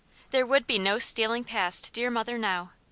There would be no stealing past dear Mother now!